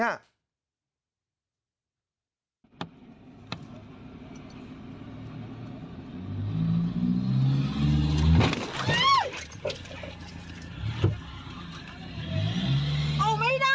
เอาไม่ได้